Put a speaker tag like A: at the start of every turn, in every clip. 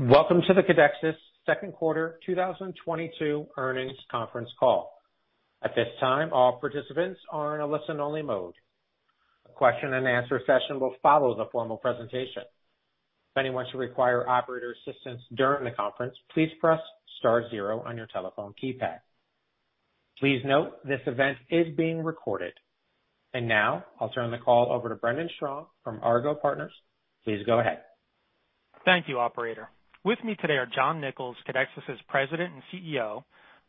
A: Welcome to the Codexis second quarter 2022 earnings conference call. At this time, all participants are in a listen-only mode. A question-and-answer session will follow the formal presentation. If anyone should require operator assistance during the conference, please press star zero on your telephone keypad. Please note this event is being recorded. Now, I'll turn the call over to Brendan Strong from Argot Partners. Please go ahead.
B: Thank you, operator. With me today are John Nicols, Codexis' President and CEO,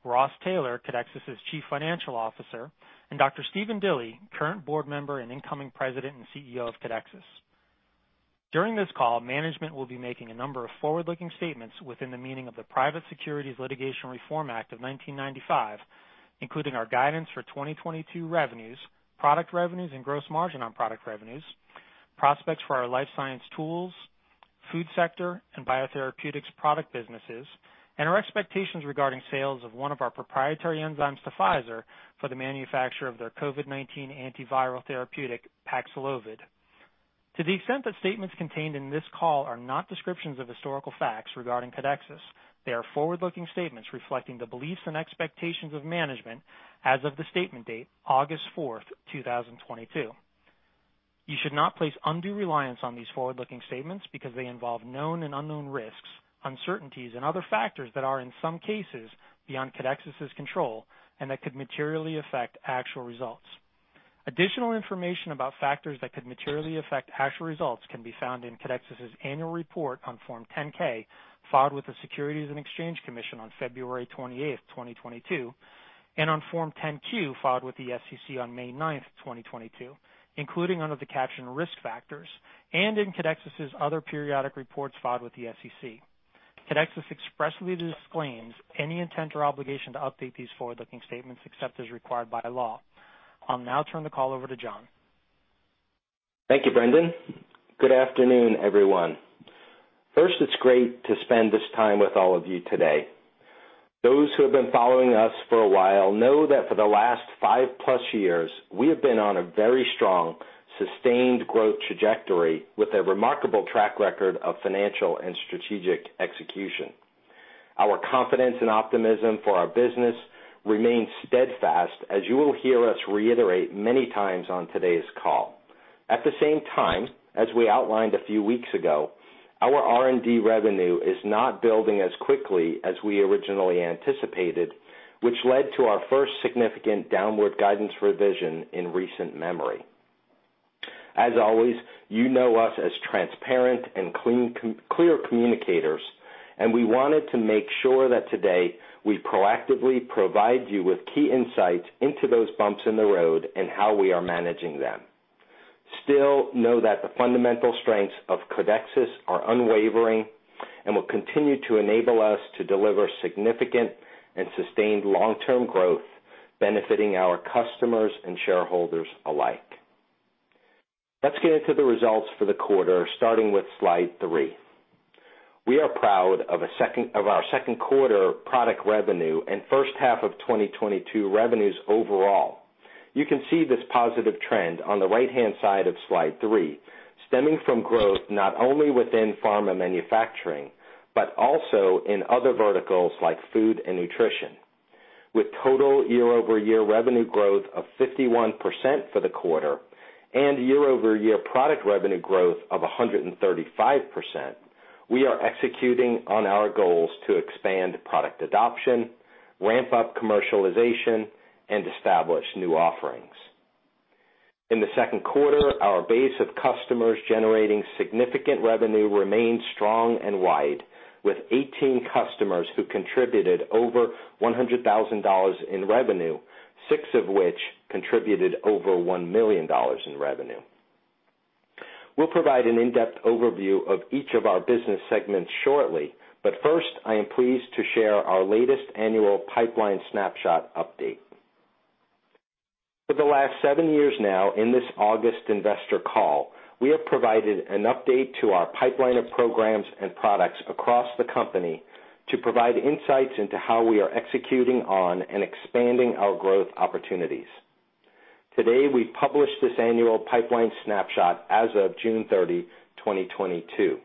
B: Ross Taylor, Codexis' Chief Financial Officer, and Dr. Stephen Dilly, current board member and incoming President and CEO of Codexis. During this call, management will be making a number of forward-looking statements within the meaning of the Private Securities Litigation Reform Act of 1995, including our guidance for 2022 revenues, product revenues, and gross margin on product revenues, prospects for our life science tools, food sector, and biotherapeutics product businesses, and our expectations regarding sales of one of our proprietary enzymes to Pfizer for the manufacture of their COVID-19 antiviral therapeutic Paxlovid. To the extent that statements contained in this call are not descriptions of historical facts regarding Codexis, they are forward-looking statements reflecting the beliefs and expectations of management as of the statement date August 4th, 2022. You should not place undue reliance on these forward-looking statements because they involve known and unknown risks, uncertainties, and other factors that are, in some cases, beyond Codexis' control and that could materially affect actual results. Additional information about factors that could materially affect actual results can be found in Codexis' annual report on Form 10-K filed with the Securities and Exchange Commission on February 28thth, 2022, and on Form 10-Q filed with the SEC on May 9, 2022, including under the caption Risk Factors and in Codexis' other periodic reports filed with the SEC. Codexis expressly disclaims any intent or obligation to update these forward-looking statements except as required by law. I'll now turn the call over to John.
C: Thank you, Brendan. Good afternoon, everyone. First, it's great to spend this time with all of you today. Those who have been following us for a while know that for the last 5+ years, we have been on a very strong, sustained growth trajectory with a remarkable track record of financial and strategic execution. Our confidence and optimism for our business remains steadfast, as you will hear us reiterate many times on today's call. At the same time, as we outlined a few weeks ago, our R&D revenue is not building as quickly as we originally anticipated, which led to our first significant downward guidance revision in recent memory. As always, you know us as transparent and clear communicators, and we wanted to make sure that today we proactively provide you with key insights into those bumps in the road and how we are managing them. Still, know that the fundamental strengths of Codexis are unwavering and will continue to enable us to deliver significant and sustained long-term growth benefiting our customers and shareholders alike. Let's get into the results for the quarter, starting with slide three. We are proud of our second quarter product revenue and first half of 2022 revenues overall. You can see this positive trend on the right-hand side of slide three, stemming from growth not only within pharma manufacturing but also in other verticals like food and nutrition. With total year-over-year revenue growth of 51% for the quarter and year-over-year product revenue growth of 135%, we are executing on our goals to expand product adoption, ramp up commercialization, and establish new offerings. In the second quarter, our base of customers generating significant revenue remained strong and wide, with 18 customers who contributed over $100,000 in revenue, six of which contributed over $1 million in revenue. We'll provide an in-depth overview of each of our business segments shortly, but first, I am pleased to share our latest annual pipeline snapshot update. For the last seven years now, in this August investor call, we have provided an update to our pipeline of programs and products across the company to provide insights into how we are executing on and expanding our growth opportunities. Today, we publish this annual pipeline snapshot as of June 30, 2022.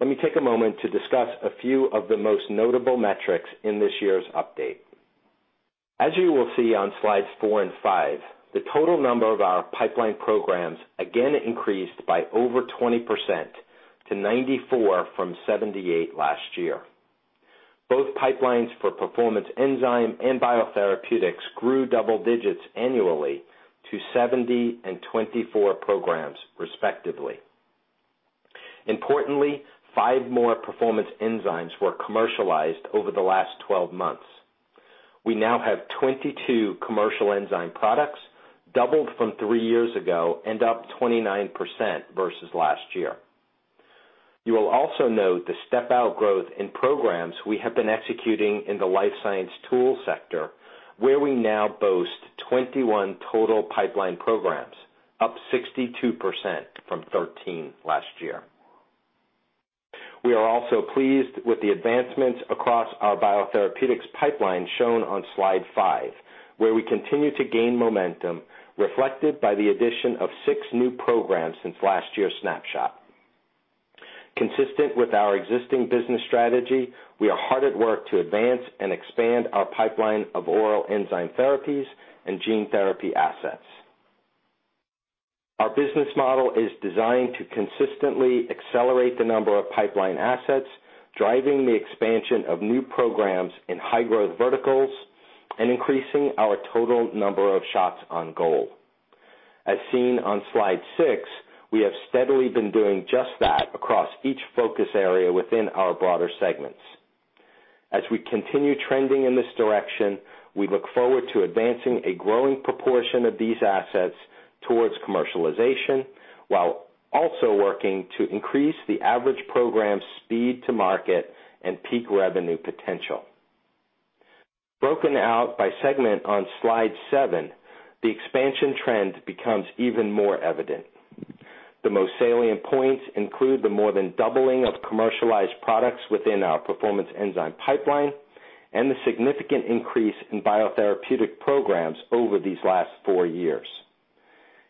C: Let me take a moment to discuss a few of the most notable metrics in this year's update. As you will see on slides four and five, the total number of our pipeline programs again increased by over 20% to 94 from 78 last year. Both pipelines for performance enzyme and biotherapeutics grew double digits annually to 70 and 24 programs, respectively. Importantly, five more performance enzymes were commercialized over the last 12 months. We now have 22 commercial enzyme products, doubled from three years ago and up 29% versus last year. You will also note the step-out growth in programs we have been executing in the life science tools sector, where we now boast 21 total pipeline programs, up 62% from 13 last year. We are also pleased with the advancements across our biotherapeutics pipeline shown on slide five, where we continue to gain momentum reflected by the addition of 6 new programs since last year's snapshot. Consistent with our existing business strategy, we are hard at work to advance and expand our pipeline of oral enzyme therapies and gene therapy assets. Our business model is designed to consistently accelerate the number of pipeline assets, driving the expansion of new programs in high growth verticals and increasing our total number of shots on goal. As seen on slide six, we have steadily been doing just that across each focus area within our broader segments. As we continue trending in this direction, we look forward to advancing a growing proportion of these assets towards commercialization, while also working to increase the average program speed to market and peak revenue potential. Broken out by segment on slide seven, the expansion trend becomes even more evident. The most salient points include the more than doubling of commercialized products within our performance enzyme pipeline and the significant increase in biotherapeutic programs over these last four years.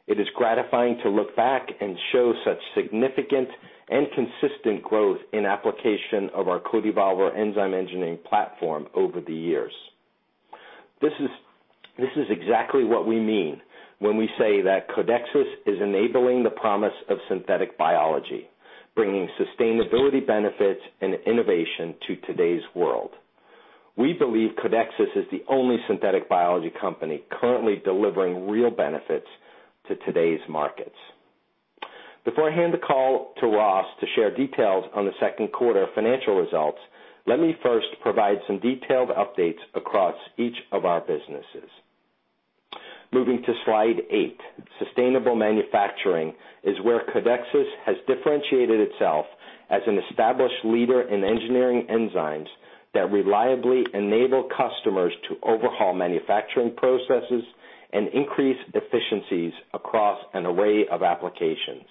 C: It is gratifying to look back and show such significant and consistent growth in application of our CodeEvolver enzyme engineering platform over the years. This is exactly what we mean when we say that Codexis is enabling the promise of synthetic biology, bringing sustainability benefits and innovation to today's world. We believe Codexis is the only synthetic biology company currently delivering real benefits to today's markets. Before I hand the call to Ross to share details on the second quarter financial results, let me first provide some detailed updates across each of our businesses. Moving to slide eight, sustainable manufacturing is where Codexis has differentiated itself as an established leader in engineering enzymes that reliably enable customers to overhaul manufacturing processes and increase efficiencies across an array of applications.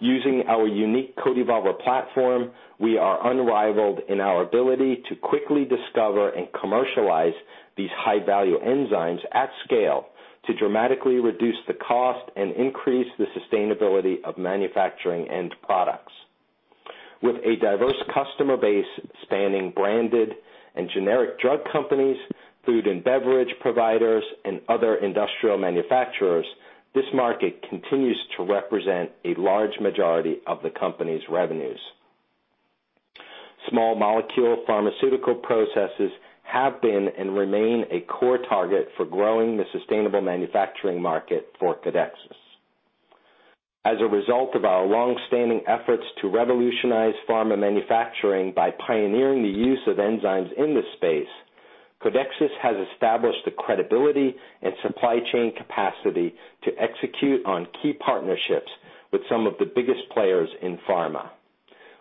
C: Using our unique CodeEvolver platform, we are unrivaled in our ability to quickly discover and commercialize these high-value enzymes at scale to dramatically reduce the cost and increase the sustainability of manufacturing end products. With a diverse customer base spanning branded and generic drug companies, food and beverage providers, and other industrial manufacturers, this market continues to represent a large majority of the company's revenues. Small molecule pharmaceutical processes have been and remain a core target for growing the sustainable manufacturing market for Codexis. As a result of our long-standing efforts to revolutionize pharma manufacturing by pioneering the use of enzymes in this space, Codexis has established the credibility and supply chain capacity to execute on key partnerships with some of the biggest players in pharma.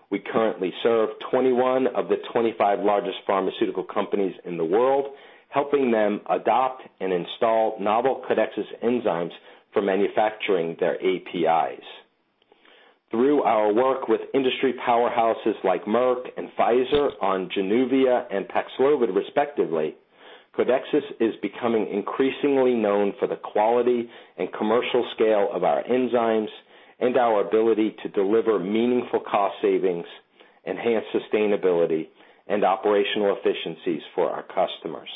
C: We currently serve 21 of the 25 largest pharmaceutical companies in the world, helping them adopt and install novel Codexis enzymes for manufacturing their APIs. Through our work with industry powerhouses like Merck and Pfizer on Januvia and Paxlovid respectively, Codexis is becoming increasingly known for the quality and commercial scale of our enzymes and our ability to deliver meaningful cost savings, enhance sustainability, and operational efficiencies for our customers.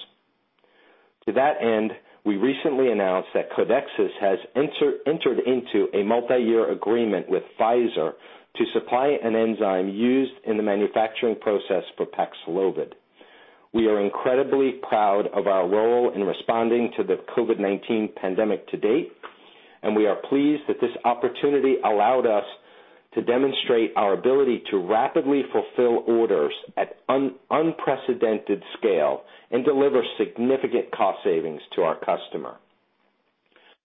C: To that end, we recently announced that Codexis has entered into a multi-year agreement with Pfizer to supply an enzyme used in the manufacturing process for Paxlovid. We are incredibly proud of our role in responding to the COVID-19 pandemic to date, and we are pleased that this opportunity allowed us to demonstrate our ability to rapidly fulfill orders at unprecedented scale and deliver significant cost savings to our customer.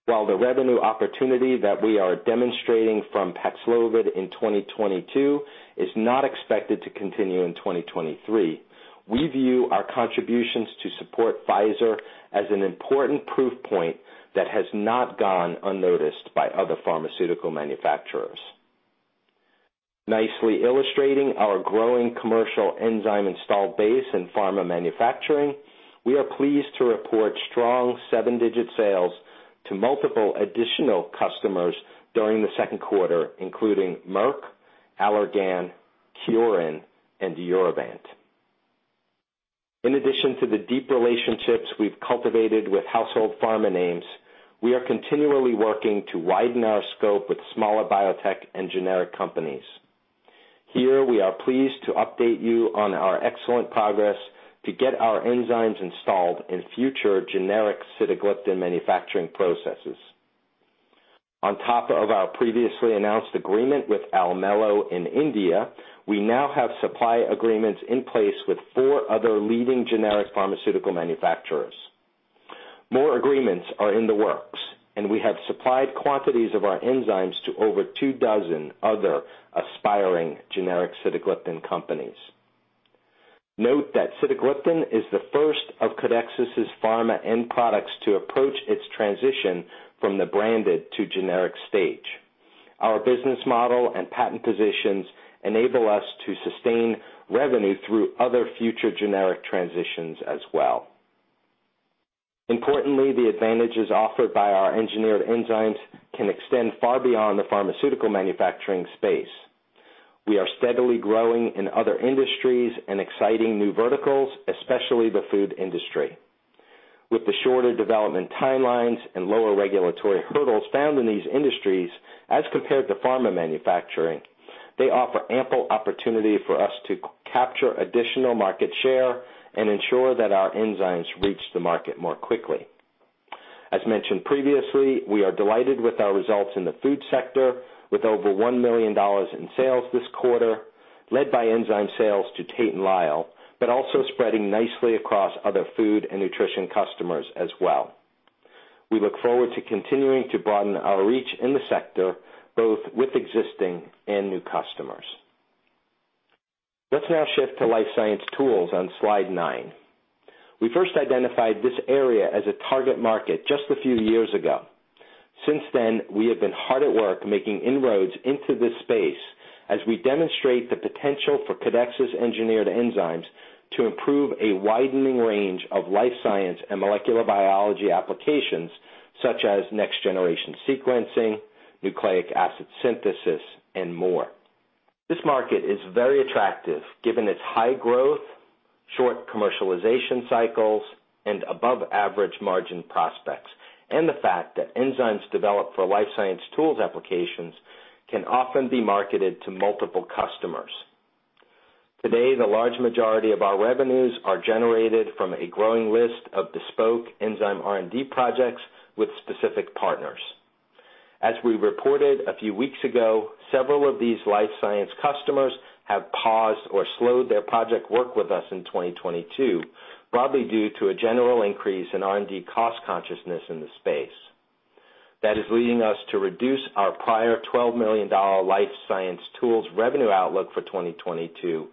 C: While the revenue opportunity that we are demonstrating from Paxlovid in 2022 is not expected to continue in 2023, we view our contributions to support Pfizer as an important proof point that has not gone unnoticed by other pharmaceutical manufacturers. Nicely illustrating our growing commercial enzyme installed base in pharma manufacturing, we are pleased to report strong seven-digit sales to multiple additional customers during the second quarter, including Merck, Allergan, Kyorin, and Urovant. In addition to the deep relationships we've cultivated with household pharma names, we are continually working to widen our scope with smaller biotech and generic companies. Here, we are pleased to update you on our excellent progress to get our enzymes installed in future generic sitagliptin manufacturing processes. On top of our previously announced agreement with Almelo in India, we now have supply agreements in place with four other leading generic pharmaceutical manufacturers. More agreements are in the works, and we have supplied quantities of our enzymes to over two dozen other aspiring generic sitagliptin companies. Note that sitagliptin is the first of Codexis' pharma end products to approach its transition from the branded to generic stage. Our business model and patent positions enable us to sustain revenue through other future generic transitions as well. Importantly, the advantages offered by our engineered enzymes can extend far beyond the pharmaceutical manufacturing space. We are steadily growing in other industries and exciting new verticals, especially the food industry. With the shorter development timelines and lower regulatory hurdles found in these industries as compared to pharma manufacturing, they offer ample opportunity for us to capture additional market share and ensure that our enzymes reach the market more quickly. As mentioned previously, we are delighted with our results in the food sector, with over $1 million in sales this quarter, led by enzyme sales to Tate & Lyle, but also spreading nicely across other food and nutrition customers as well. We look forward to continuing to broaden our reach in the sector, both with existing and new customers. Let's now shift to life science tools on slide nine. We first identified this area as a target market just a few years ago. Since then, we have been hard at work making inroads into this space as we demonstrate the potential for Codexis-engineered enzymes to improve a widening range of life science and molecular biology applications, such as next generation sequencing, nucleic acid synthesis, and more. This market is very attractive given its high growth, short commercialization cycles, and above average margin prospects, and the fact that enzymes developed for life science tools applications can often be marketed to multiple customers. Today, the large majority of our revenues are generated from a growing list of bespoke enzyme R&D projects with specific partners. As we reported a few weeks ago, several of these life science customers have paused or slowed their project work with us in 2022, broadly due to a general increase in R&D cost consciousness in the space. That is leading us to reduce our prior $12 million life science tools revenue outlook for 2022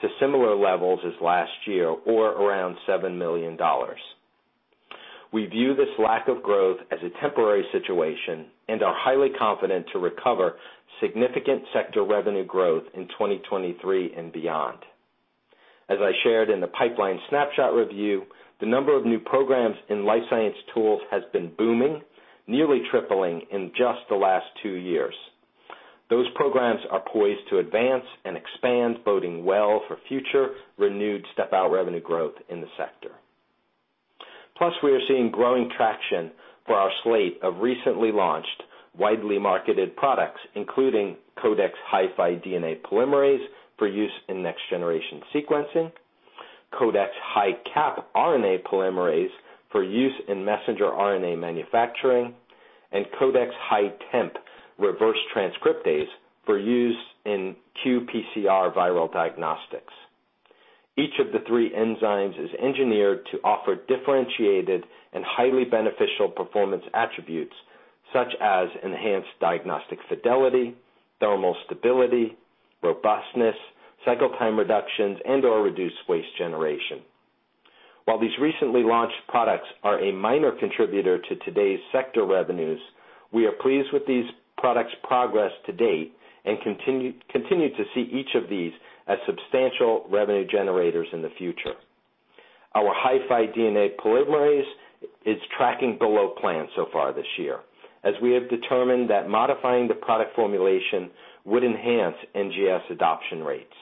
C: to similar levels as last year or around $7 million. We view this lack of growth as a temporary situation and are highly confident to recover significant sector revenue growth in 2023 and beyond. As I shared in the pipeline snapshot review, the number of new programs in life science tools has been booming, nearly tripling in just the last two years. Those programs are poised to advance and expand, boding well for future renewed step-out revenue growth in the sector. Plus, we are seeing growing traction for our slate of recently launched, widely marketed products, including Codex HiFi DNA Polymerase for use in next generation sequencing, Codex HiCap RNA Polymerase for use in messenger RNA manufacturing, and Codex HiTemp Reverse Transcriptase for use in qPCR viral diagnostics. Each of the three enzymes is engineered to offer differentiated and highly beneficial performance attributes such as enhanced diagnostic fidelity, thermal stability, robustness, cycle time reductions, and/or reduced waste generation. While these recently launched products are a minor contributor to today's sector revenues, we are pleased with these products' progress to date and continue to see each of these as substantial revenue generators in the future. Our HiFi DNA Polymerase is tracking below plan so far this year, as we have determined that modifying the product formulation would enhance NGS adoption rates.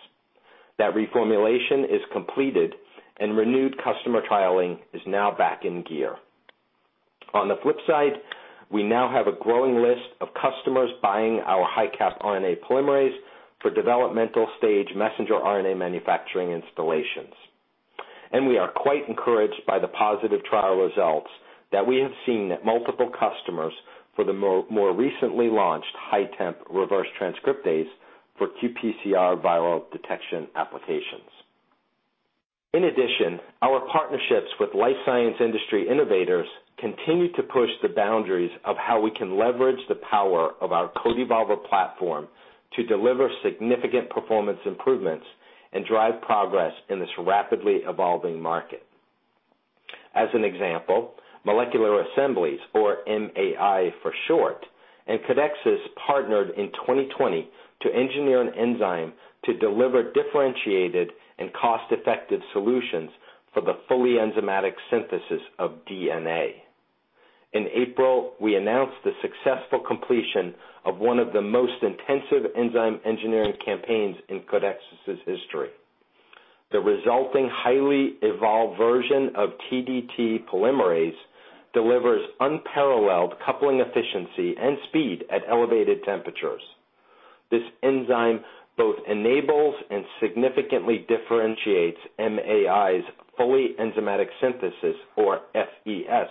C: That reformulation is completed and renewed customer trialing is now back in gear. On the flip side, we now have a growing list of customers buying our HiCap RNA Polymerase for developmental stage messenger RNA manufacturing installations. We are quite encouraged by the positive trial results that we have seen at multiple customers for the more recently launched HiTemp Reverse Transcriptase for qPCR viral detection applications. In addition, our partnerships with life science industry innovators continue to push the boundaries of how we can leverage the power of our CodeEvolver platform to deliver significant performance improvements and drive progress in this rapidly evolving market. As an example, Molecular Assemblies, or MAI for short, and Codexis partnered in 2020 to engineer an enzyme to deliver differentiated and cost-effective solutions for the fully enzymatic synthesis of DNA. In April, we announced the successful completion of one of the most intensive enzyme engineering campaigns in Codexis' history. The resulting highly evolved version of TdT polymerase delivers unparalleled coupling efficiency and speed at elevated temperatures. This enzyme both enables and significantly differentiates MAI's fully enzymatic synthesis or FES technology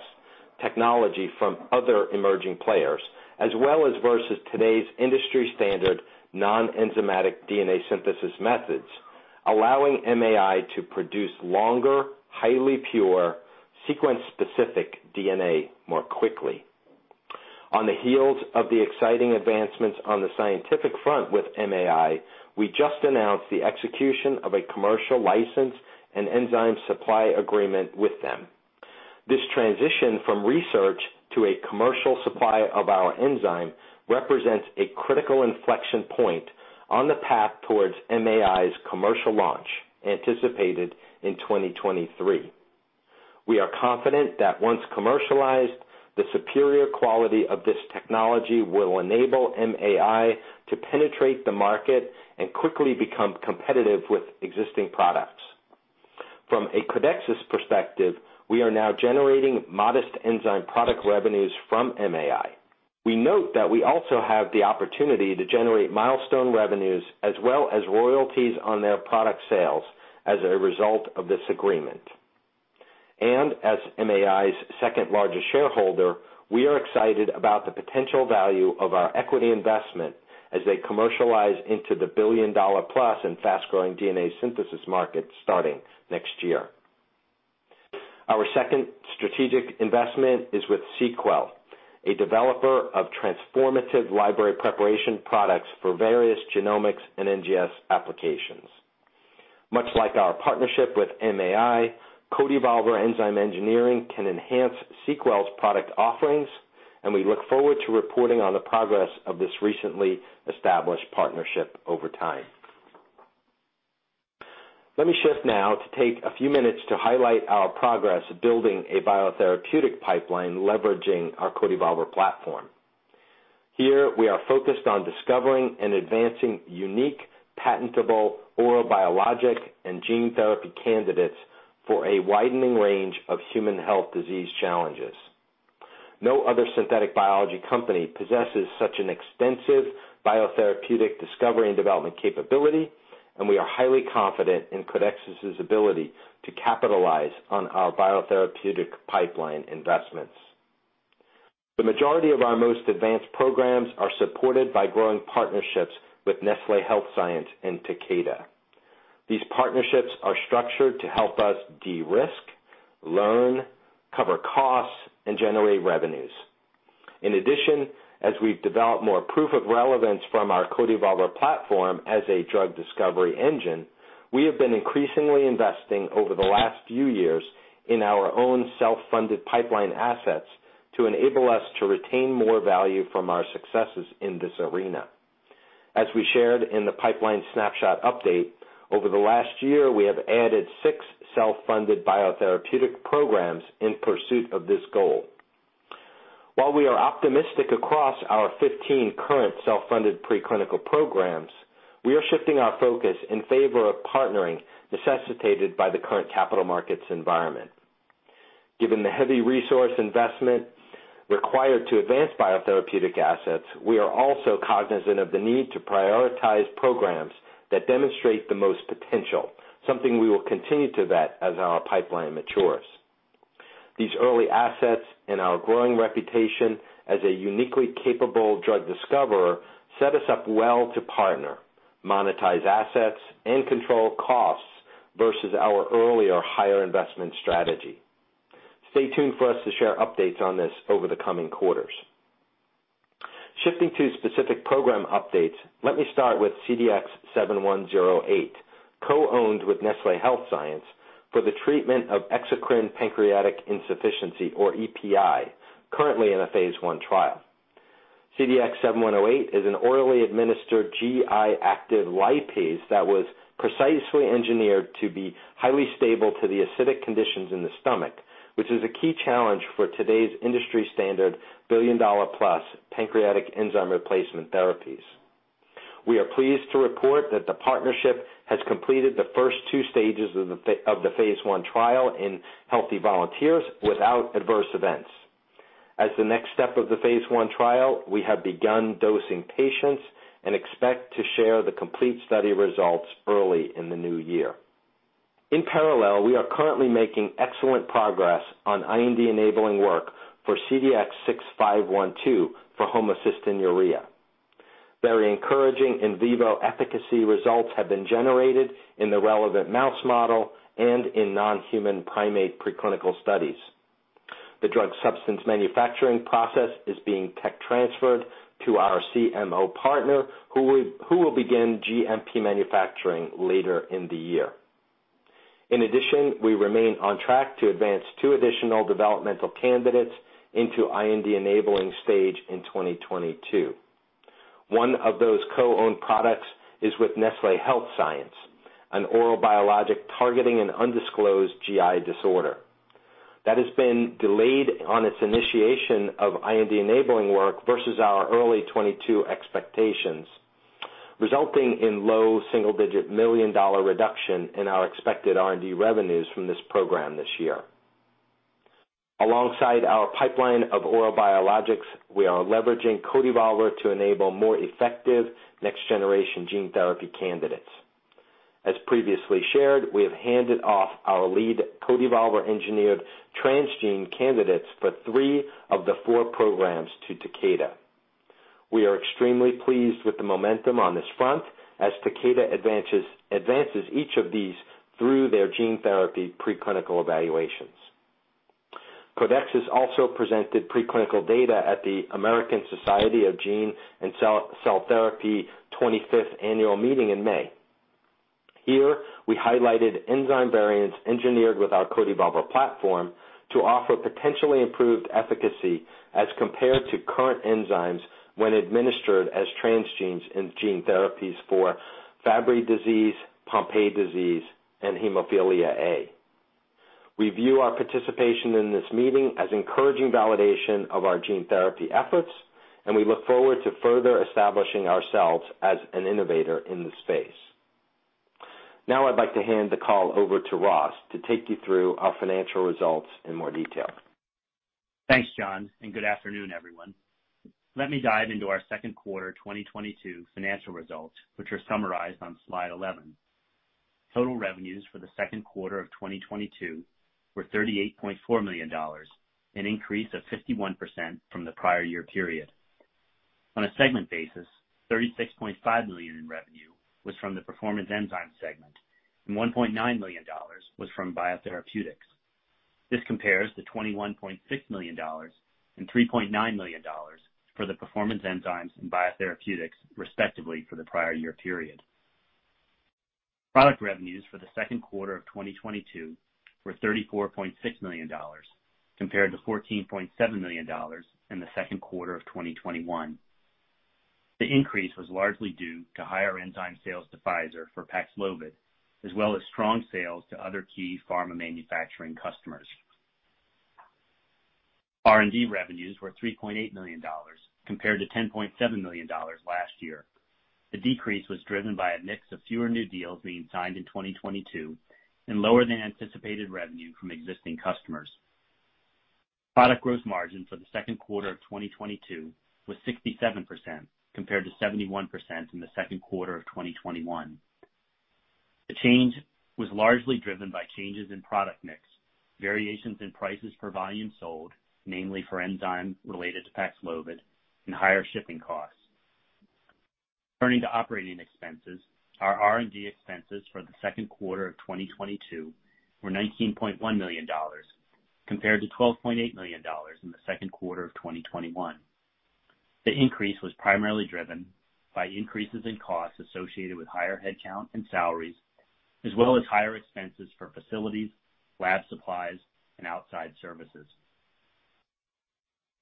C: from other emerging players, as well as versus today's industry standard non-enzymatic DNA synthesis methods, allowing MAI to produce longer, highly pure sequence-specific DNA more quickly. On the heels of the exciting advancements on the scientific front with MAI, we just announced the execution of a commercial license and enzyme supply agreement with them. This transition from research to a commercial supply of our enzyme represents a critical inflection point on the path towards MAI's commercial launch anticipated in 2023. We are confident that once commercialized, the superior quality of this technology will enable MAI to penetrate the market and quickly become competitive with existing products. From a Codexis perspective, we are now generating modest enzyme product revenues from MAI. We note that we also have the opportunity to generate milestone revenues as well as royalties on their product sales as a result of this agreement. As MAI's second-largest shareholder, we are excited about the potential value of our equity investment as they commercialize into the billion-dollar-plus and fast-growing DNA synthesis market starting next year. Our second strategic investment is with seqWell, a developer of transformative library preparation products for various genomics and NGS applications. Much like our partnership with MAI, CodeEvolver enzyme engineering can enhance seqWell's product offerings, and we look forward to reporting on the progress of this recently established partnership over time. Let me shift now to take a few minutes to highlight our progress building a biotherapeutic pipeline leveraging our CodeEvolver platform. Here, we are focused on discovering and advancing unique, patentable oral biologic and gene therapy candidates for a widening range of human health disease challenges. No other synthetic biology company possesses such an extensive biotherapeutic discovery and development capability, and we are highly confident in Codexis' ability to capitalize on our biotherapeutic pipeline investments. The majority of our most advanced programs are supported by growing partnerships with Nestlé Health Science and Takeda. These partnerships are structured to help us de-risk, learn, cover costs, and generate revenues. In addition, as we've developed more proof of relevance from our CodeEvolver platform as a drug discovery engine, we have been increasingly investing over the last few years in our own self-funded pipeline assets to enable us to retain more value from our successes in this arena. As we shared in the pipeline snapshot update, over the last year, we have added six self-funded biotherapeutic programs in pursuit of this goal. While we are optimistic across our 15 current self-funded preclinical programs, we are shifting our focus in favor of partnering necessitated by the current capital markets environment. Given the heavy resource investment required to advance biotherapeutic assets, we are also cognizant of the need to prioritize programs that demonstrate the most potential, something we will continue to vet as our pipeline matures. These early assets and our growing reputation as a uniquely capable drug discoverer set us up well to partner, monetize assets, and control costs versus our earlier higher investment strategy. Stay tuned for us to share updates on this over the coming quarters. Shifting to specific program updates, let me start with CDX-7108, co-owned with Nestlé Health Science for the treatment of exocrine pancreatic insufficiency, or EPI, currently in a phase I trial. CDX-7108 is an orally administered GI-active lipase that was precisely engineered to be highly stable to the acidic conditions in the stomach, which is a key challenge for today's industry-standard billion-dollar-plus pancreatic enzyme replacement therapies. We are pleased to report that the partnership has completed the first two stages of the phase I trial in healthy volunteers without adverse events. As the next step of the phase I trial, we have begun dosing patients and expect to share the complete study results early in the new year. In parallel, we are currently making excellent progress on IND-enabling work for CDX-6512 for homocystinuria. Very encouraging in vivo efficacy results have been generated in the relevant mouse model and in non-human primate preclinical studies. The drug substance manufacturing process is being tech transferred to our CMO partner, who will begin GMP manufacturing later in the year. In addition, we remain on track to advance two additional developmental candidates into IND-enabling stage in 2022. One of those co-owned products is with Nestlé Health Science, an oral biologic targeting an undisclosed GI disorder. That has been delayed on its initiation of IND-enabling work versus our early 2022 expectations, resulting in low single-digit million dollar reduction in our expected R&D revenues from this program this year. Alongside our pipeline of oral biologics, we are leveraging CodeEvolver to enable more effective next-generation gene therapy candidates. As previously shared, we have handed off our lead CodeEvolver-engineered transgene candidates for three of the four programs to Takeda. We are extremely pleased with the momentum on this front as Takeda advances each of these through their gene therapy preclinical evaluations. Codexis also presented preclinical data at the American Society of Gene & Cell Therapy 25th Annual Meeting in May. Here, we highlighted enzyme variants engineered with our CodeEvolver platform to offer potentially improved efficacy as compared to current enzymes when administered as transgenes in gene therapies for Fabry disease, Pompe disease, and hemophilia A. We view our participation in this meeting as encouraging validation of our gene therapy efforts, and we look forward to further establishing ourselves as an innovator in this space. Now I'd like to hand the call over to Ross to take you through our financial results in more detail.
D: Thanks, John, and good afternoon, everyone. Let me dive into our second quarter 2022 financial results, which are summarized on slide 11. Total revenues for the second quarter of 2022 were $38.4 million, an increase of 51% from the prior year period. On a segment basis, $36.5 million in revenue was from the performance enzymes segment, and $1.9 million was from biotherapeutics. This compares to $21.6 million and $3.9 million for the performance enzymes and biotherapeutics, respectively, for the prior year period. Product revenues for the second quarter of 2022 were $34.6 million compared to $14.7 million in the second quarter of 2021. The increase was largely due to higher enzyme sales to Pfizer for Paxlovid, as well as strong sales to other key pharma manufacturing customers. R&D revenues were $3.8 million compared to $10.7 million last year. The decrease was driven by a mix of fewer new deals being signed in 2022 and lower than anticipated revenue from existing customers. Product gross margin for the second quarter of 2022 was 67%, compared to 71% in the second quarter of 2021. The change was largely driven by changes in product mix, variations in prices per volume sold, namely for enzyme related to Paxlovid and higher shipping costs. Turning to operating expenses, our R&D expenses for the second quarter of 2022 were $19.1 million compared to $12.8 million in the second quarter of 2021. The increase was primarily driven by increases in costs associated with higher headcount and salaries, as well as higher expenses for facilities, lab supplies, and outside services.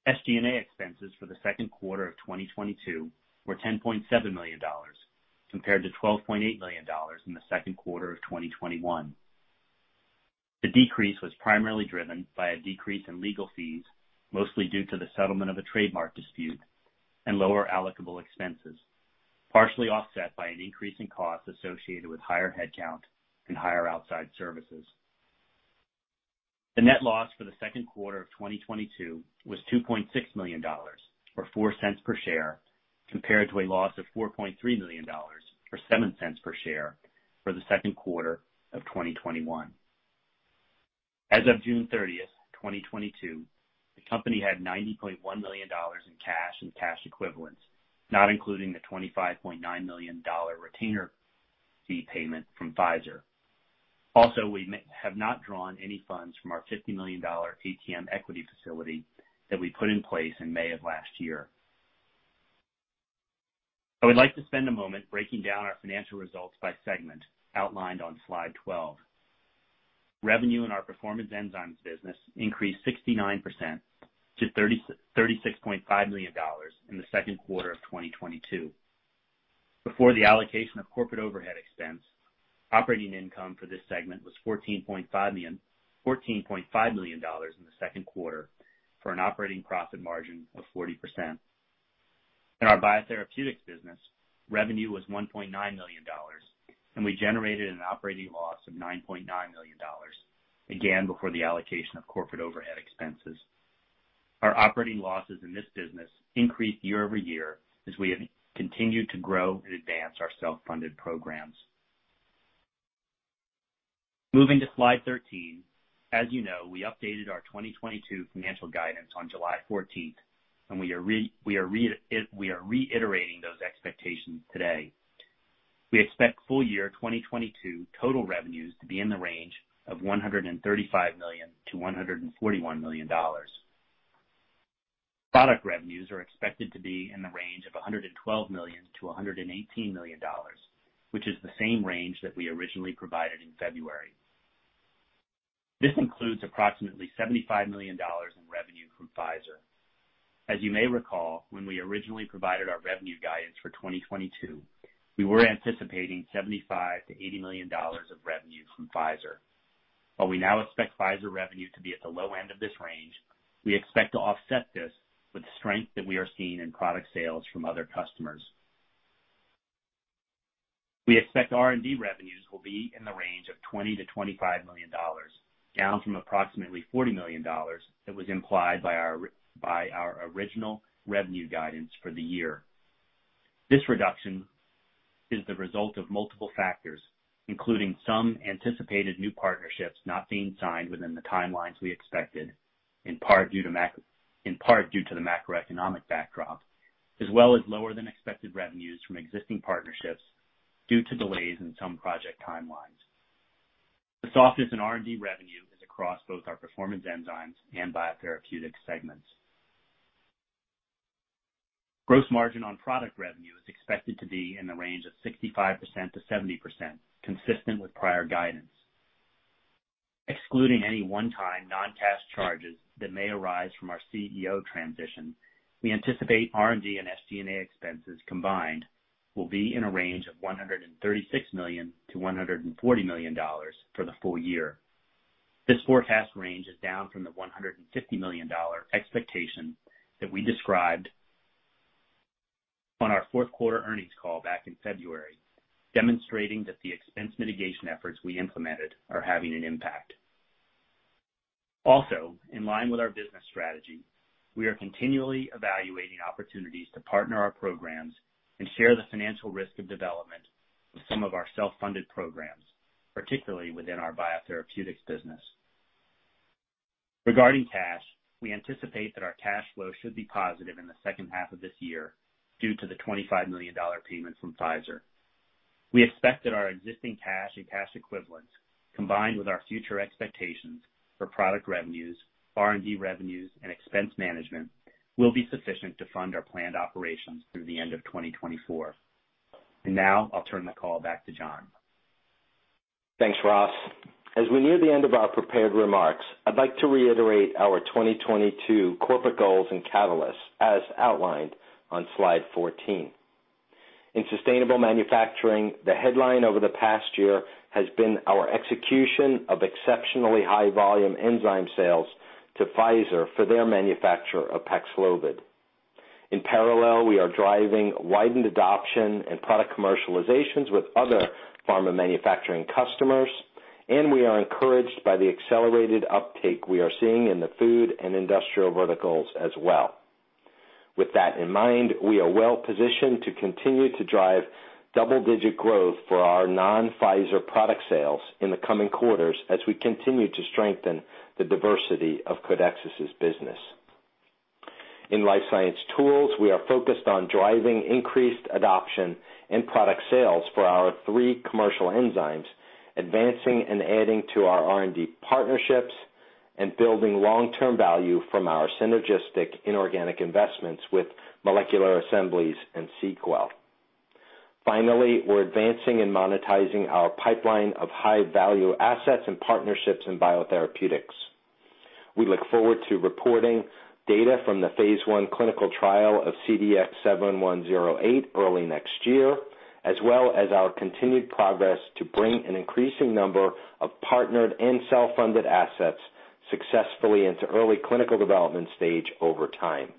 D: SG&A expenses for the second quarter of 2022 were $10.7 million compared to $12.8 million in the second quarter of 2021. The decrease was primarily driven by a decrease in legal fees, mostly due to the settlement of a trademark dispute and lower allocable expenses, partially offset by an increase in costs associated with higher headcount and higher outside services. The net loss for the second quarter of 2022 was $2.6 million, or $0.04 per share, compared to a loss of $4.3 million or $0.07 per share for the second quarter of 2021. As of June 30th, 2022, the company had $90.1 million in cash and cash equivalents, not including the $25.9 million retainer fee payment from Pfizer. Also, we may have not drawn any funds from our $50 million ATM equity facility that we put in place in May of last year. I would like to spend a moment breaking down our financial results by segment outlined on slide 12. Revenue in our performance enzymes business increased 69% to $36.5 million in the second quarter of 2022. Before the allocation of corporate overhead expense, operating income for this segment was $14.5 million in the second quarter for an operating profit margin of 40%. In our biotherapeutics business, revenue was $1.9 million and we generated an operating loss of $9.9 million, again before the allocation of corporate overhead expenses. Our operating losses in this business increased year-over-year as we have continued to grow and advance our self-funded programs. Moving to slide 13, as you know, we updated our 2022 financial guidance on July 14th, and we are reiterating those expectations today. We expect full-year 2022 total revenues to be in the range of $135 million-$141 million. Product revenues are expected to be in the range of $112 million-$118 million, which is the same range that we originally provided in February. This includes approximately $75 million in revenue from Pfizer. As you may recall, when we originally provided our revenue guidance for 2022, we were anticipating $75 million-$80 million of revenue from Pfizer. While we now expect Pfizer revenue to be at the low end of this range, we expect to offset this with strength that we are seeing in product sales from other customers. We expect R&D revenues will be in the range of $20 million-$25 million, down from approximately $40 million that was implied by our original revenue guidance for the year. This reduction is the result of multiple factors, including some anticipated new partnerships not being signed within the timelines we expected, in part due to mac. In part due to the macroeconomic backdrop, as well as lower than expected revenues from existing partnerships due to delays in some project timelines. The softness in R&D revenue is across both our performance enzymes and biotherapeutic segments. Gross margin on product revenue is expected to be in the range of 65%-70%, consistent with prior guidance. Excluding any one-time non-cash charges that may arise from our CEO transition, we anticipate R&D and SG&A expenses combined will be in a range of $136 million-$140 million for the full year. This forecast range is down from the $150 million expectation that we described on our fourth quarter earnings call back in February, demonstrating that the expense mitigation efforts we implemented are having an impact. Also, in line with our business strategy, we are continually evaluating opportunities to partner our programs and share the financial risk of development with some of our self-funded programs, particularly within our biotherapeutics business. Regarding cash, we anticipate that our cash flow should be positive in the second half of this year due to the $25 million payment from Pfizer. We expect that our existing cash and cash equivalents, combined with our future expectations for product revenues, R&D revenues and expense management, will be sufficient to fund our planned operations through the end of 2024. Now I'll turn the call back to John.
C: Thanks, Ross. As we near the end of our prepared remarks, I'd like to reiterate our 2022 corporate goals and catalysts as outlined on slide 14. In sustainable manufacturing, the headline over the past year has been our execution of exceptionally high volume enzyme sales to Pfizer for their manufacture of Paxlovid. In parallel, we are driving widened adoption and product commercializations with other pharma manufacturing customers, and we are encouraged by the accelerated uptake we are seeing in the food and industrial verticals as well. With that in mind, we are well positioned to continue to drive double-digit growth for our non-Pfizer product sales in the coming quarters as we continue to strengthen the diversity of Codexis' business. In life science tools, we are focused on driving increased adoption and product sales for our three commercial enzymes, advancing and adding to our R&D partnerships, and building long-term value from our synergistic inorganic investments with Molecular Assemblies and seqWell. Finally, we're advancing and monetizing our pipeline of high-value assets and partnerships in biotherapeutics. We look forward to reporting data from the phase I clinical trial of CDX-7108 early next year, as well as our continued progress to bring an increasing number of partnered and self-funded assets successfully into early clinical development stage over time.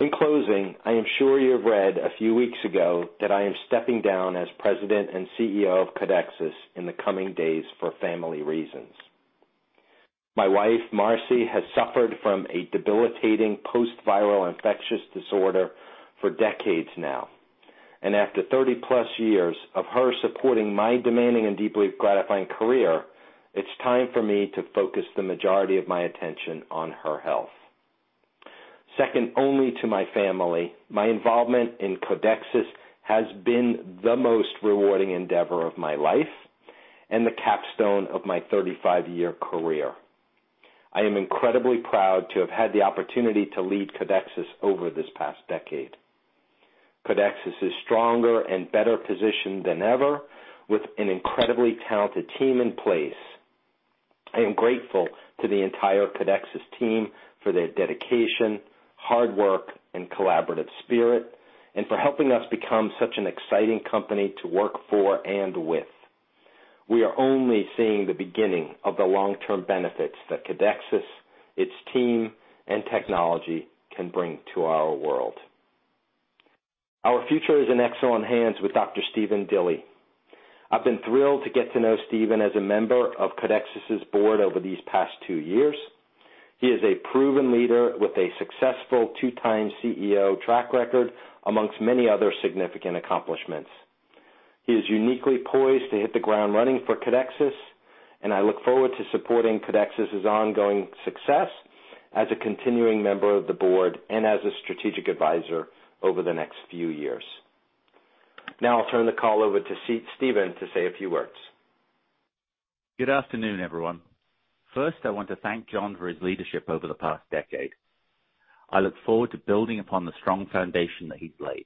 C: In closing, I am sure you have read a few weeks ago that I am stepping down as president and CEO of Codexis in the coming days for family reasons. My wife, Marcy, has suffered from a debilitating post-viral infectious disorder for decades now, and after 30+ years of her supporting my demanding and deeply gratifying career, it's time for me to focus the majority of my attention on her health. Second only to my family, my involvement in Codexis has been the most rewarding endeavor of my life and the capstone of my 35-year career. I am incredibly proud to have had the opportunity to lead Codexis over this past decade. Codexis is stronger and better positioned than ever with an incredibly talented team in place. I am grateful to the entire Codexis team for their dedication, hard work, and collaborative spirit, and for helping us become such an exciting company to work for and with. We are only seeing the beginning of the long-term benefits that Codexis, its team, and technology can bring to our world. Our future is in excellent hands with Dr. Stephen Dilly. I've been thrilled to get to know Stephen as a member of Codexis' board over these past two years. He is a proven leader with a successful two-time CEO track record, among many other significant accomplishments. He is uniquely poised to hit the ground running for Codexis, and I look forward to supporting Codexis' ongoing success as a continuing member of the board and as a strategic advisor over the next few years. Now I'll turn the call over to Stephen to say a few words.
E: Good afternoon, everyone. First, I want to thank John for his leadership over the past decade. I look forward to building upon the strong foundation that he's laid.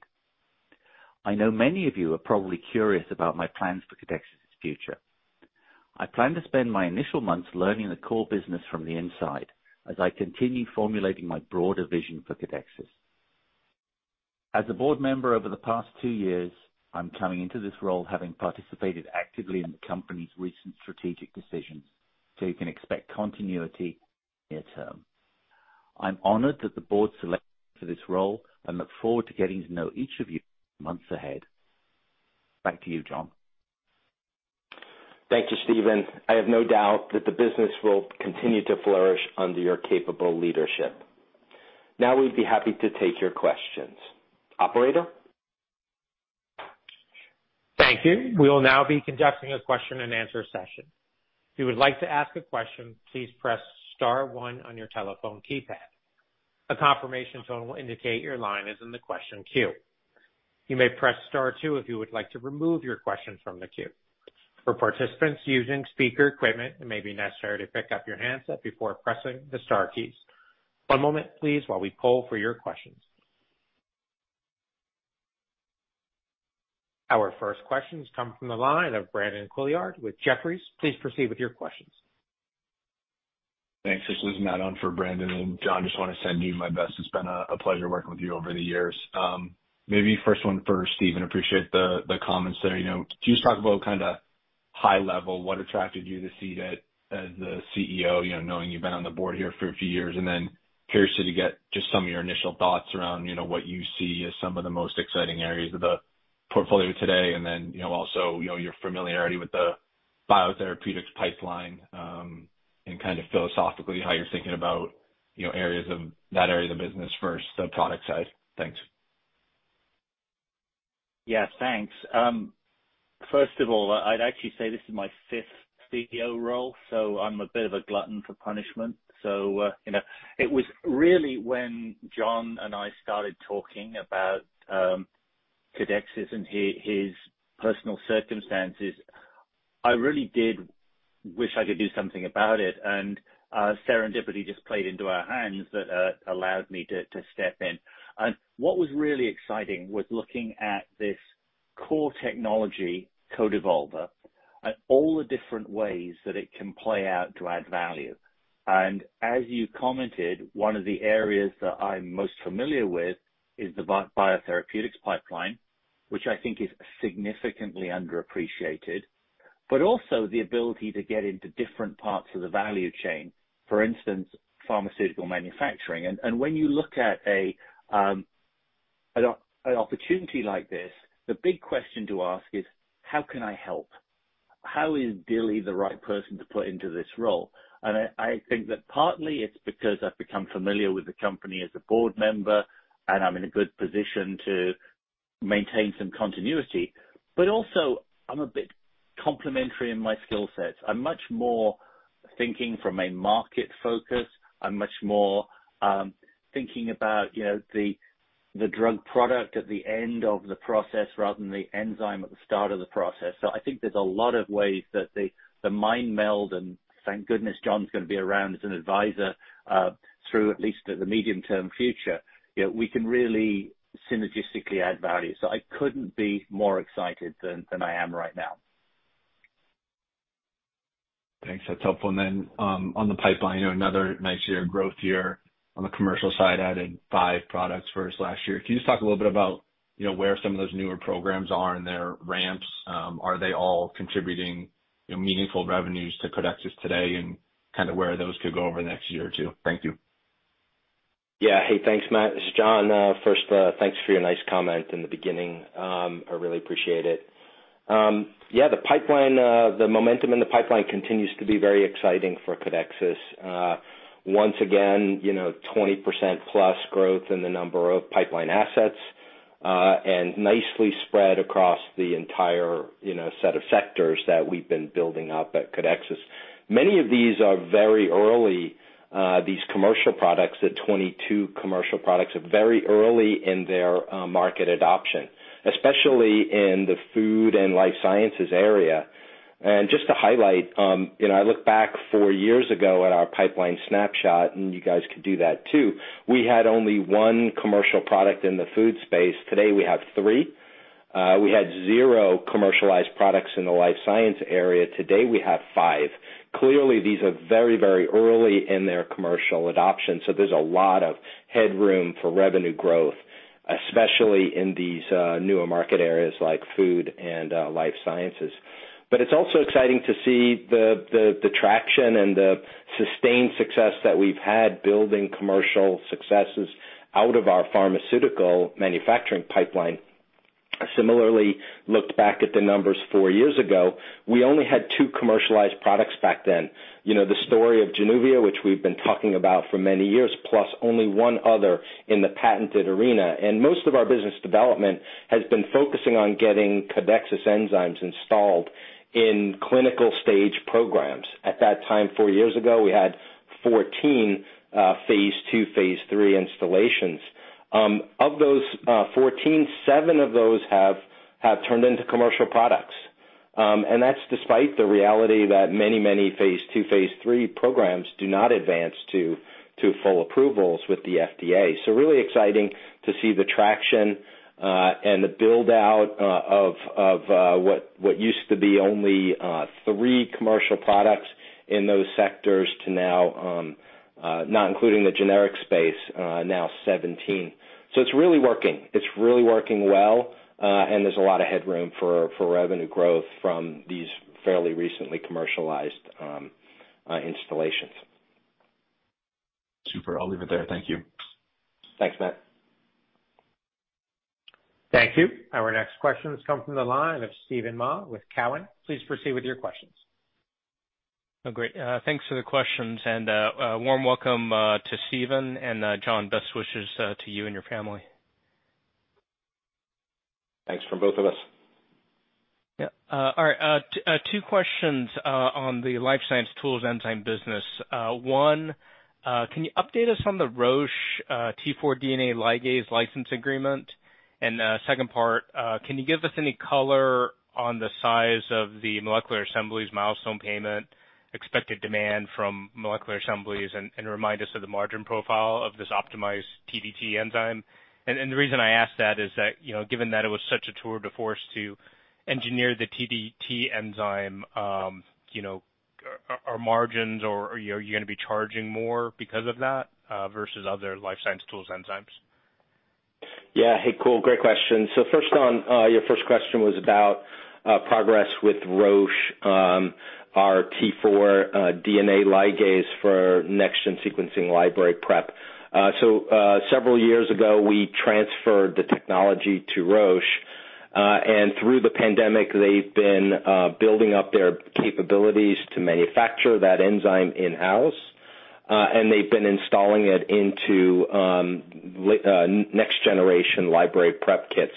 E: I know many of you are probably curious about my plans for Codexis' future. I plan to spend my initial months learning the core business from the inside as I continue formulating my broader vision for Codexis. As a board member over the past two years, I'm coming into this role having participated actively in the company's recent strategic decisions, so you can expect continuity near term. I'm honored that the board selected me for this role. I look forward to getting to know each of you in the months ahead. Back to you, John.
C: Thank you, Stephen. I have no doubt that the business will continue to flourish under your capable leadership. Now we'd be happy to take your questions. Operator?
A: Thank you. We will now be conducting a question-and-answer session. If you would like to ask a question, please press star one on your telephone keypad. A confirmation tone will indicate your line is in the question queue. You may press star two if you would like to remove your question from the queue. For participants using speaker equipment, it may be necessary to pick up your handset before pressing the star keys. One moment, please, while we poll for your questions. Our first questions come from the line of Brandon Couillard with Jefferies. Please proceed with your questions.
F: Thanks. This is Matt on for Brandon. John, just want to send you my best. It's been a pleasure working with you over the years. Maybe first one for Stephen, appreciate the comments there. You know, can you just talk about kinda high level, what attracted you to Codexis as the CEO, you know, knowing you've been on the board here for a few years? Then curious to get just some of your initial thoughts around, you know, what you see as some of the most exciting areas of the portfolio today. Then, you know, also, you know, your familiarity with the biotherapeutics pipeline, and kind of philosophically how you're thinking about, you know, areas of that area of the business versus the product side. Thanks.
E: Yeah, thanks. First of all, I'd actually say this is my fifth CEO role, so I'm a bit of a glutton for punishment. You know, it was really when John and I started talking about Codexis and his personal circumstances, I really did wish I could do something about it. Serendipity just played into our hands that allowed me to step in. What was really exciting was looking at this core technology, CodeEvolver, at all the different ways that it can play out to add value. As you commented, one of the areas that I'm most familiar with is the biotherapeutics pipeline, which I think is significantly underappreciated, but also the ability to get into different parts of the value chain, for instance, pharmaceutical manufacturing. When you look at an opportunity like this, the big question to ask is, how can I help? How is Dilly the right person to put into this role? I think that partly it's because I've become familiar with the company as a board member, and I'm in a good position to maintain some continuity, but also I'm a bit complementary in my skill sets. I'm much more thinking from a market focus. I'm much more thinking about, you know, the drug product at the end of the process rather than the enzyme at the start of the process. I think there's a lot of ways that the mind meld, and thank goodness John's gonna be around as an advisor through at least the medium-term future, you know, we can really synergistically add value. I couldn't be more excited than I am right now.
F: Thanks. That's helpful. On the pipeline, you know, another nice year, growth year on the commercial side, added five products versus last year. Can you just talk a little bit about, you know, where some of those newer programs are in their ramps? Are they all contributing, you know, meaningful revenues to Codexis today and kind of where those could go over the next year or two? Thank you.
C: Yeah. Hey, thanks, Matt. This is John. First, thanks for your nice comment in the beginning. I really appreciate it. Yeah, the pipeline, the momentum in the pipeline continues to be very exciting for Codexis. Once again, you know, 20%+ growth in the number of pipeline assets, and nicely spread across the entire, you know, set of sectors that we've been building up at Codexis. Many of these are very early, these commercial products, the 22 commercial products are very early in their market adoption, especially in the food and life sciences area. Just to highlight, you know, I look back four years ago at our pipeline snapshot, and you guys could do that too. We had only one commercial product in the food space. Today, we have three. We had zero commercialized products in the life science area. Today, we have five. Clearly, these are very, very early in their commercial adoption, so there's a lot of headroom for revenue growth, especially in these newer market areas like food and life sciences. But it's also exciting to see the traction and the sustained success that we've had building commercial successes out of our pharmaceutical manufacturing pipeline. Similarly, looked back at the numbers four years ago, we only had two commercialized products back then. You know, the story of Januvia, which we've been talking about for many years, plus only one other in the patented arena. Most of our business development has been focusing on getting Codexis enzymes installed in clinical stage programs. At that time, four years ago, we had 14 phase II, phase III installations. Of those, 14, seven of those have turned into commercial products. That's despite the reality that many phase II, phase III programs do not advance to full approvals with the FDA. Really exciting to see the traction and the build-out of what used to be only three commercial products in those sectors to now, not including the generic space, now 17. It's really working. It's really working well, and there's a lot of headroom for revenue growth from these fairly recently commercialized installations.
F: Super. I'll leave it there. Thank you.
C: Thanks, Matt.
A: Thank you. Our next question comes from the line of Steven Mah with Cowen. Please proceed with your questions.
G: Oh, great. Thanks for the questions and a warm welcome to Stephen and John. Best wishes to you and your family.
C: Thanks from both of us.
G: Two questions on the life science tools enzyme business. One, can you update us on the Roche T4 DNA ligase license agreement? Second part, can you give us any color on the size of the Molecular Assemblies milestone payment, expected demand from Molecular Assemblies, and remind us of the margin profile of this optimized TDT enzyme? The reason I ask that is that, you know, given that it was such a tour de force to engineer the TDT enzyme, you know- Are margins or are you going to be charging more because of that versus other life science tools enzymes?
C: Yeah. Hey, Steven Mah, great question. First on your first question was about progress with Roche, our T4 DNA ligase for next-gen sequencing library prep. Several years ago, we transferred the technology to Roche. Through the pandemic, they've been building up their capabilities to manufacture that enzyme in-house, and they've been installing it into next generation library prep kits.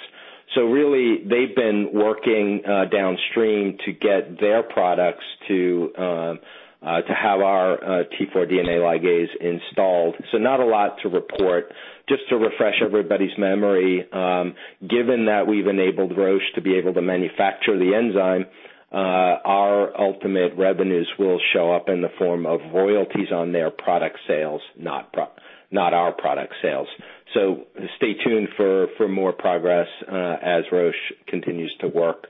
C: Really they've been working downstream to get their products to have our T4 DNA ligase installed, so not a lot to report. Just to refresh everybody's memory, given that we've enabled Roche to be able to manufacture the enzyme, our ultimate revenues will show up in the form of royalties on their product sales, not our product sales. Stay tuned for more progress as Roche continues to work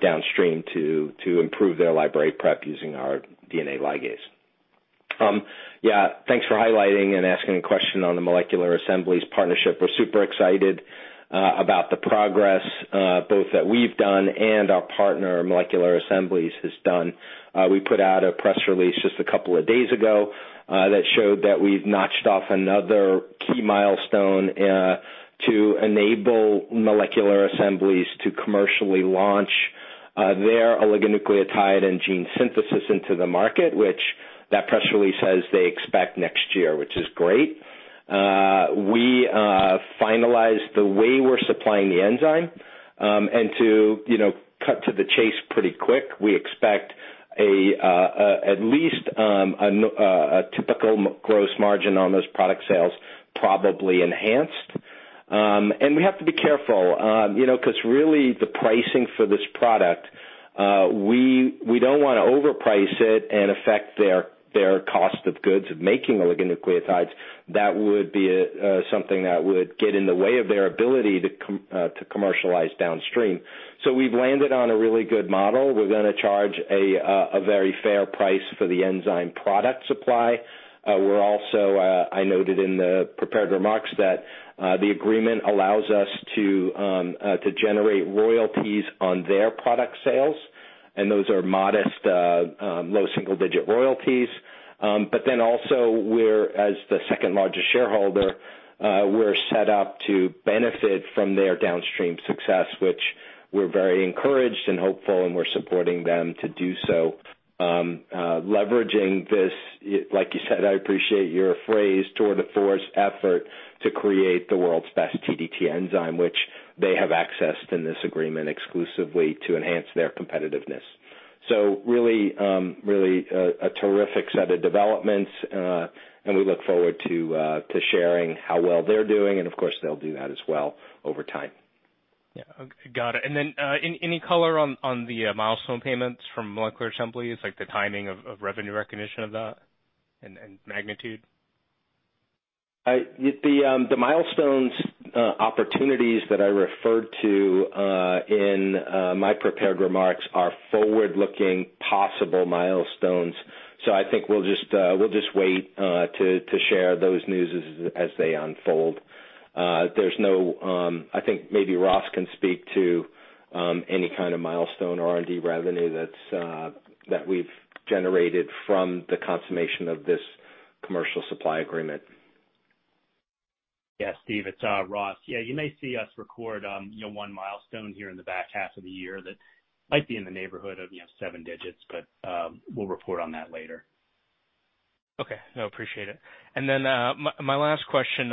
C: downstream to improve their library prep using our DNA ligase. Yeah, thanks for highlighting and asking a question on the Molecular Assemblies partnership. We're super excited about the progress both that we've done and our partner, Molecular Assemblies, has done. We put out a press release just a couple of days ago that showed that we've knocked off another key milestone to enable Molecular Assemblies to commercially launch their oligonucleotide and gene synthesis into the market, which that press release says they expect next year, which is great. We finalized the way we're supplying the enzyme. To you know cut to the chase pretty quick, we expect at least a typical gross margin on those product sales probably enhanced. We have to be careful, you know, 'cause really the pricing for this product, we don't wanna overprice it and affect their cost of goods of making oligonucleotides. That would be something that would get in the way of their ability to commercialize downstream. We've landed on a really good model. We're gonna charge a very fair price for the enzyme product supply. We're also I noted in the prepared remarks that the agreement allows us to generate royalties on their product sales, and those are modest low single-digit royalties. We're as the second-largest shareholder, we're set up to benefit from their downstream success, which we're very encouraged and hopeful, and we're supporting them to do so, leveraging this, like you said, I appreciate your phrase, tour de force effort to create the world's best TDT enzyme, which they have accessed in this agreement exclusively to enhance their competitiveness. Really, a terrific set of developments, and we look forward to sharing how well they're doing, and of course they'll do that as well over time.
G: Yeah. Got it. Any color on the milestone payments from Molecular Assemblies, like the timing of revenue recognition of that and magnitude?
C: The milestones opportunities that I referred to in my prepared remarks are forward-looking possible milestones. I think we'll just wait to share those news as they unfold. There's no, I think maybe Ross can speak to any kind of milestone R&D revenue that we've generated from the consummation of this commercial supply agreement.
D: Yeah, Steve, it's Ross. Yeah, you may see us record, you know, one milestone here in the back half of the year that might be in the neighborhood of, you know, seven digits, but we'll report on that later.
G: Okay. No, appreciate it. My last question,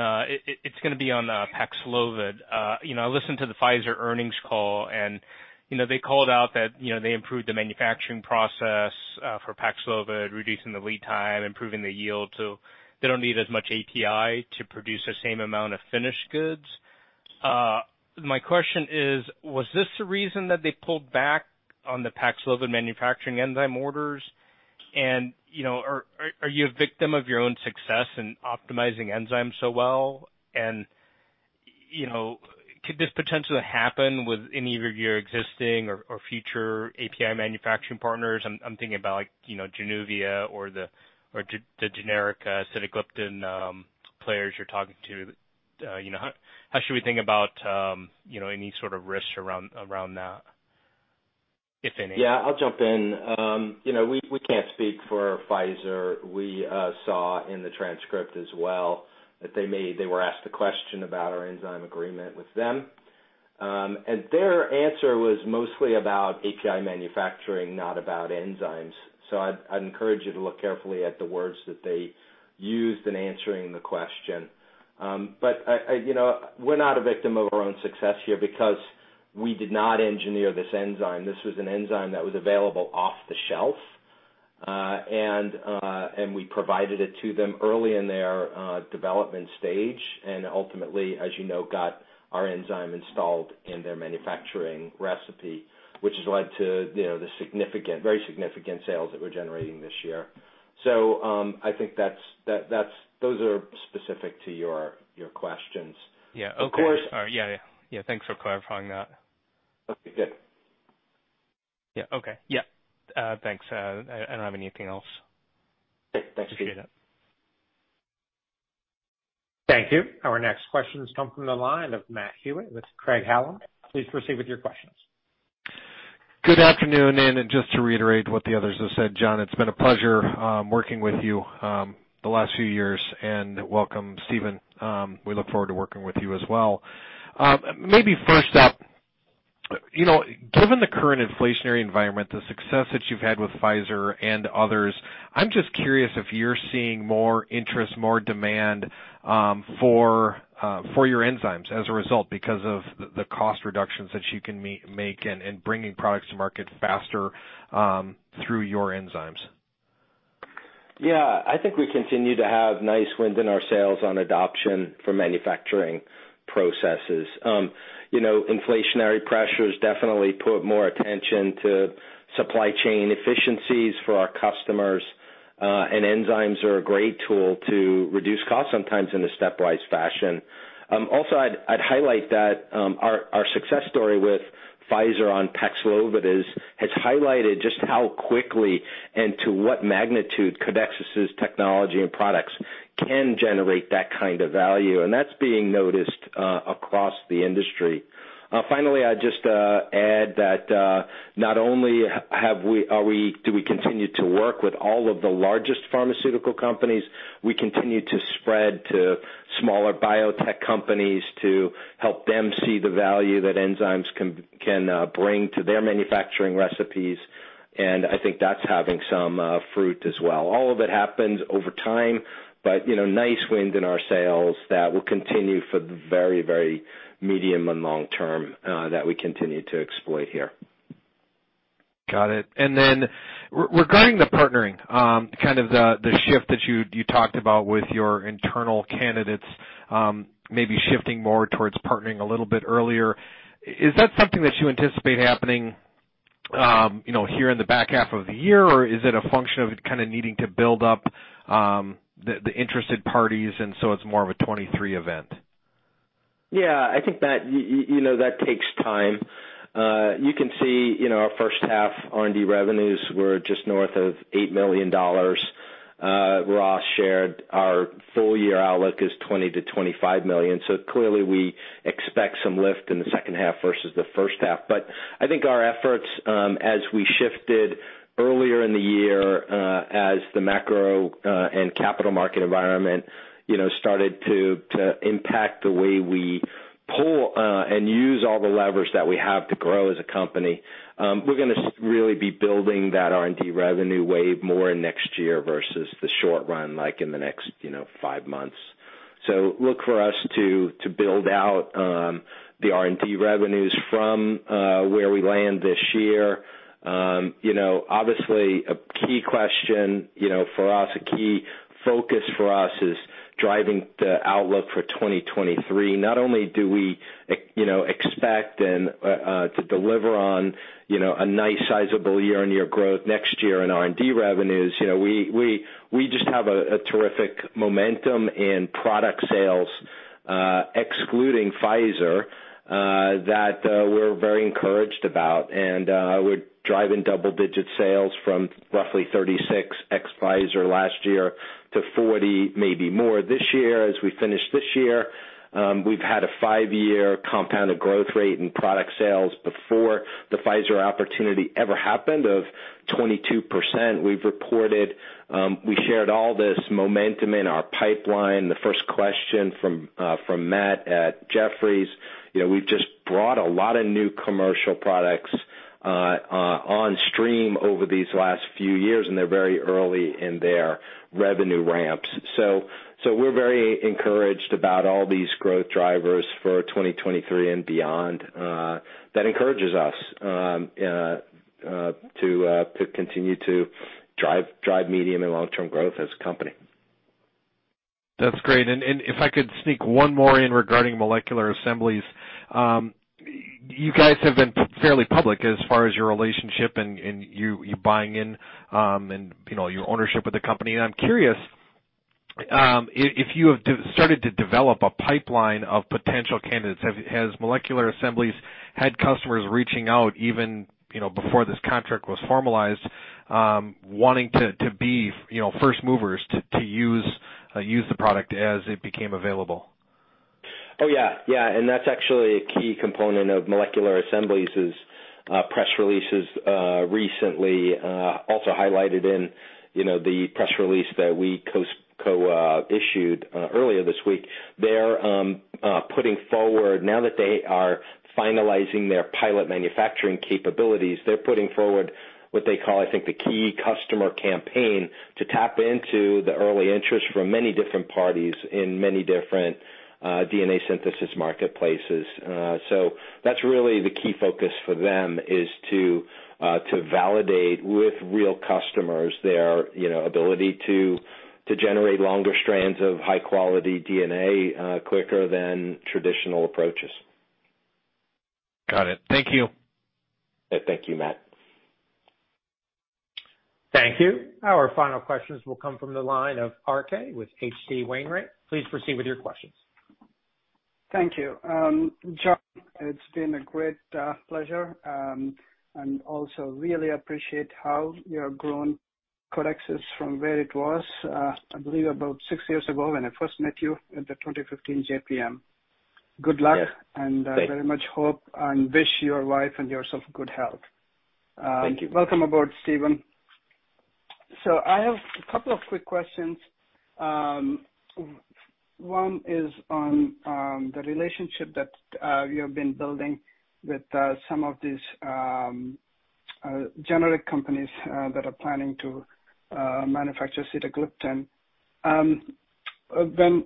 G: it's gonna be on Paxlovid. You know, I listened to the Pfizer earnings call and, you know, they called out that, you know, they improved the manufacturing process for Paxlovid, reducing the lead time, improving the yield, so they don't need as much API to produce the same amount of finished goods. My question is, was this the reason that they pulled back on the Paxlovid manufacturing enzyme orders? You know, are you a victim of your own success in optimizing enzymes so well? You know, could this potentially happen with any of your existing or future API manufacturing partners? I'm thinking about like, you know, Januvia or the generic sitagliptin players you're talking to. You know, how should we think about, you know, any sort of risks around that, if any?
C: Yeah, I'll jump in. You know, we can't speak for Pfizer. We saw in the transcript as well that they were asked a question about our enzyme agreement with them. Their answer was mostly about API manufacturing, not about enzymes. I'd encourage you to look carefully at the words that they used in answering the question. You know, we're not a victim of our own success here because we did not engineer this enzyme. This was an enzyme that was available off the shelf, and we provided it to them early in their development stage and ultimately, as you know, got our enzyme installed in their manufacturing recipe, which has led to, you know, the significant, very significant sales that we're generating this year.I think those are specific to your questions.
G: Yeah. Of course.
C: And-
G: All right. Yeah, yeah. Yeah, thanks for clarifying that.
C: Okay, good.
G: Yeah, okay. Yeah. Thanks. I don't have anything else.
C: Okay. Thanks, Peter.
G: Appreciate it.
A: Thank you. Our next questions come from the line of Matt Hewitt with Craig-Hallum. Please proceed with your questions.
H: Good afternoon, just to reiterate what the others have said, John, it's been a pleasure working with you the last few years. Welcome, Stephen, we look forward to working with you as well. Maybe first up, you know, given the current inflationary environment, the success that you've had with Pfizer and others, I'm just curious if you're seeing more interest, more demand for your enzymes as a result because of the cost reductions that you can make and bringing products to market faster through your enzymes.
C: Yeah. I think we continue to have nice wind in our sails on adoption for manufacturing processes. You know, inflationary pressures definitely put more attention to supply chain efficiencies for our customers, and enzymes are a great tool to reduce costs sometimes in a step-wise fashion. Also I'd highlight that our success story with Pfizer on Paxlovid has highlighted just how quickly and to what magnitude Codexis' technology and products can generate that kind of value. That's being noticed across the industry. Finally, I'd just add that not only do we continue to work with all of the largest pharmaceutical companies, we continue to spread to smaller biotech companies to help them see the value that enzymes can bring to their manufacturing recipes. I think that's having some fruit as well. All of it happens over time, but, you know, nice wind in our sails that will continue for the very, very medium and long term that we continue to exploit here.
H: Got it. Regarding the partnering, kind of the shift that you talked about with your internal candidates, maybe shifting more towards partnering a little bit earlier, is that something that you anticipate happening, you know, here in the back half of the year or is it a function of kind of needing to build up the interested parties, and so it's more of a 2023 event?
C: Yeah. I think that, you know, that takes time. You can see, you know, our first half R&D revenues were just north of $8 million. Ross shared our full year outlook is $20 milion-$25 million. Clearly we expect some lift in the second half versus the first half. I think our efforts, as we shifted earlier in the year, as the macro and capital market environment, you know, started to impact the way we pool and use all the leverage that we have to grow as a company, we're gonna really be building that R&D revenue wave more in next year versus the short run, like in the next, you know, five months. Look for us to build out the R&D revenues from where we land this year. You know, obviously a key question, you know, for us, a key focus for us is driving the outlook for 2023. Not only do we, you know, expect to deliver on, you know, a nice sizable year-on-year growth next year in R&D revenues, you know, we just have a terrific momentum in product sales, excluding Pfizer, that we're very encouraged about. We're driving double-digit sales from roughly $36 ex-Pfizer last year to $40, maybe more this year as we finish this year. We've had a five-year compounded growth rate in product sales before the Pfizer opportunity ever happened of 22%. We've reported we shared all this momentum in our pipeline, the first question from Matt at Jefferies. You know, we've just brought a lot of new commercial products on stream over these last few years, and they're very early in their revenue ramps. We're very encouraged about all these growth drivers for 2023 and beyond, that encourages us to continue to drive medium and long-term growth as a company.
H: That's great. If I could sneak one more in regarding Molecular Assemblies, you guys have been fairly public as far as your relationship and you buying in, and you know, your ownership of the company. I'm curious if you have started to develop a pipeline of potential candidates. Has Molecular Assemblies had customers reaching out even, you know, before this contract was formalized, wanting to be, you know, first movers to use the product as it became available?
C: That's actually a key component of Molecular Assemblies is press releases recently also highlighted in, you know, the press release that we co-issued earlier this week. They're putting forward now that they are finalizing their pilot manufacturing capabilities. They're putting forward what they call, I think, the key customer campaign to tap into the early interest from many different parties in many different DNA synthesis marketplaces. That's really the key focus for them is to validate with real customers their, you know, ability to generate longer strands of high-quality DNA quicker than traditional approaches.
H: Got it. Thank you.
C: Thank you, Matt.
A: Thank you. Our final questions will come from the line of RK with H.C. Wainwright. Please proceed with your questions.
I: Thank you. John, it's been a great pleasure, and I also really appreciate how you have grown Codexis from where it was, I believe about six years ago when I first met you at the 2015 JPM. Good luck.
C: Yeah. Thank you.
I: I very much hope and wish your wife and yourself good health.
C: Thank you.
I: Welcome aboard, Stephen. I have a couple of quick questions. One is on the relationship that you have been building with some of these generic companies that are planning to manufacture sitagliptin. When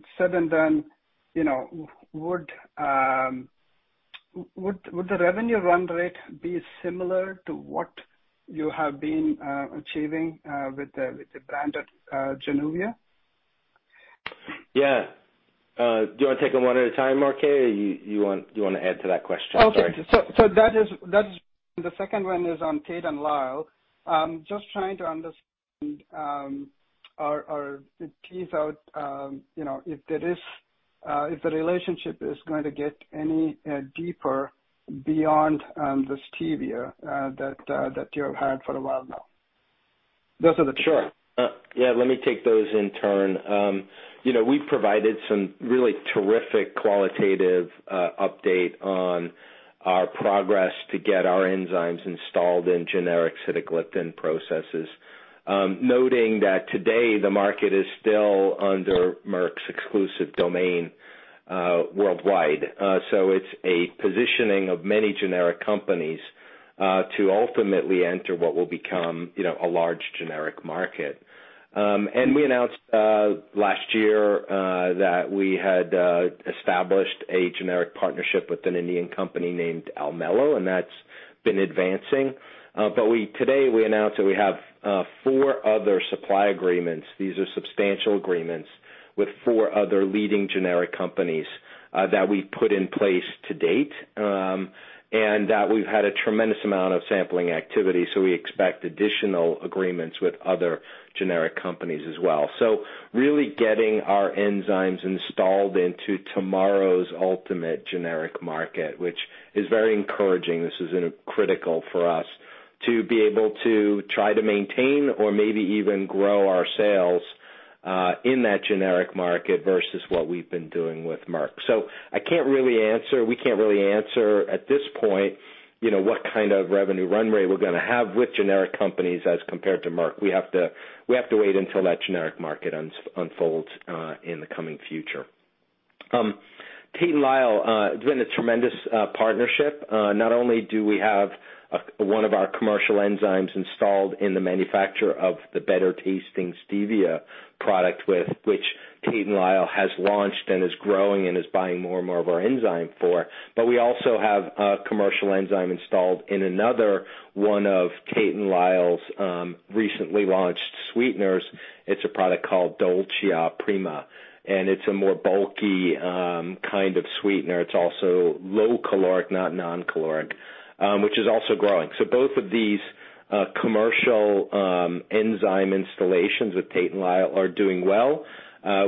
I: it's said and done, you know, would the revenue run rate be similar to what you have been achieving with the branded Januvia?
C: Yeah. Do you wanna take them one at a time, RK, or you wanna add to that question? Sorry.
I: Okay. That is, that's the second one is on Tate & Lyle. Just trying to understand, or tease out, you know, if there is, if the relationship is going to get any deeper beyond the stevia that you have had for a while now. Those are the two.
C: Sure. Yeah, let me take those in turn. You know, we've provided some really terrific qualitative update on our progress to get our enzymes installed in generic sitagliptin processes. Noting that today the market is still under Merck's exclusive domain worldwide. It's a positioning of many generic companies to ultimately enter what will become, you know, a large generic market. We announced last year that we had established a generic partnership with an Indian company named Almelo, and that's been advancing. Today we announced that we have four other supply agreements. These are substantial agreements with four other leading generic companies that we've put in place to date, and that we've had a tremendous amount of sampling activity, so we expect additional agreements with other generic companies as well. Really getting our enzymes installed into tomorrow's ultimate generic market, which is very encouraging. This is critical for us to be able to try to maintain or maybe even grow our sales in that generic market versus what we've been doing with Merck. I can't really answer, we can't really answer at this point, you know, what kind of revenue run rate we're gonna have with generic companies as compared to Merck. We have to wait until that generic market unfolds in the coming future. Tate & Lyle, it's been a tremendous partnership. Not only do we have one of our commercial enzymes installed in the manufacture of the better tasting stevia product with which Tate & Lyle has launched and is growing and is buying more and more of our enzyme for, but we also have a commercial enzyme installed in another one of Tate & Lyle's recently launched sweeteners. It's a product called DOLCIA PRIMA, and it's a more bulky kind of sweetener. It's also low caloric, not non-caloric, which is also growing. Both of these commercial enzyme installations with Tate & Lyle are doing well.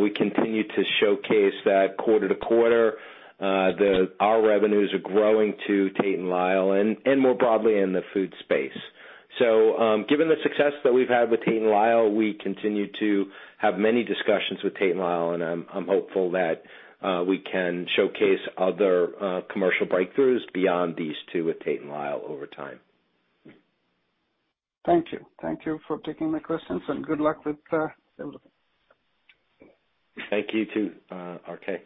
C: We continue to showcase that quarter to quarter. Our revenues are growing to Tate & Lyle and more broadly in the food space. Given the success that we've had with Tate & Lyle, we continue to have many discussions with Tate & Lyle, and I'm hopeful that we can showcase other commercial breakthroughs beyond these two with Tate & Lyle over time.
I: Thank you. Thank you for taking my questions and good luck with the other thing.
C: Thank you too, RK.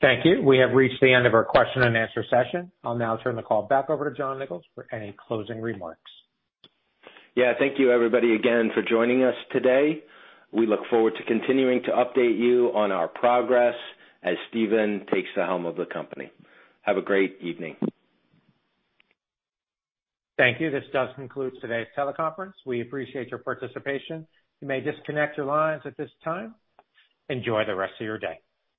A: Thank you. We have reached the end of our question-and -nswer session. I'll now turn the call back over to John Nicols for any closing remarks.
C: Yeah. Thank you everybody again for joining us today. We look forward to continuing to update you on our progress as Stephen takes the helm of the company. Have a great evening.
A: Thank you. This does conclude today's teleconference. We appreciate your participation. You may disconnect your lines at this time. Enjoy the rest of your day.